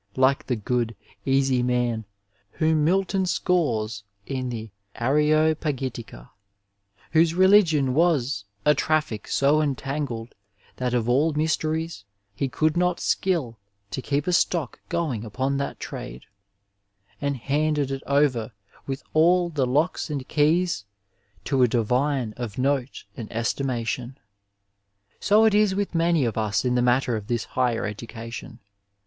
Like the good, easy man whom Milton scores in the Areopagitica, whose religion was a " traffic so entangled that of all mysteries he could not skill to keep a stock going upon that trade " and handed it over with all the locks and keys to " a divine of note and estimation," so it is with many of us in the matter of this higher education.